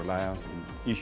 untuk kepercayaan diri